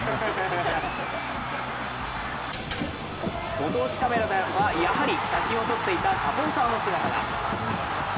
ご当地ＣＡＭではやはり写真を撮っていたサポーターの姿が。